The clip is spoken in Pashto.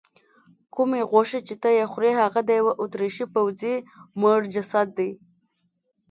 کومې غوښې چې ته یې خورې هغه د یوه اتریشي پوځي مړ جسد دی.